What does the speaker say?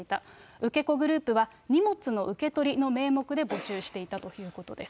受け子グループは、荷物の受け取りの名目で募集していたということです。